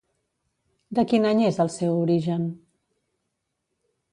De quin any és el seu origen?